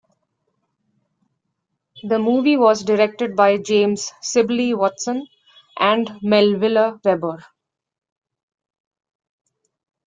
The movie was directed by James Sibley Watson and Melville Webber.